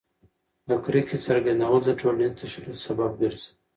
د کرکې څرګندول د ټولنیز تشدد سبب ګرځي.